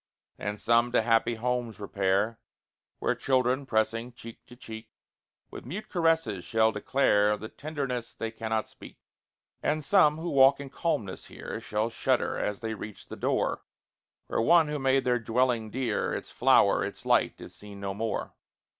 And some to happy homes repair, Where children, pressing cheek to cheek, With mute caresses shall declare The tenderness they cannot speak. And some, who walk in calmness here, Shall shudder as they reach the door Where one who made their dwelling dear, Its flower, its light, is seen no more.